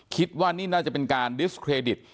คิดว่านี่น่าจะเป็นการดิสเครดิต